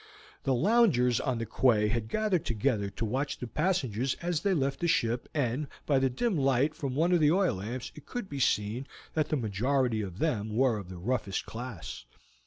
The loungers on the quay had gathered together to watch the passengers as they left the ship, and by the dim light from one of the oil lamps it could be seen that the majority of them were of the roughest class.